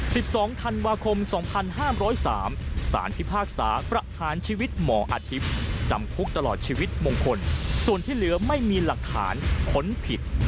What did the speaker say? สิบสองธันวาคมสองพันห้ามร้อยสามสารพิพากษาประหารชีวิตหมออาทิตย์จำคุกตลอดชีวิตมงคลส่วนที่เหลือไม่มีหลักฐานขนผิด